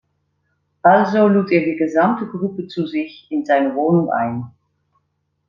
Also lud er die gesamte Gruppe zu sich in seine Wohnung ein.